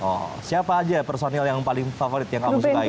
oh siapa aja personil yang paling favorit yang kamu sukai